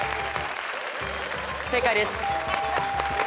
正解です。